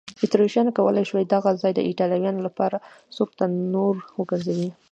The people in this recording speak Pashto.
اتریشیانو کولای شوای دغه ځای د ایټالویانو لپاره سور تنور وګرځوي.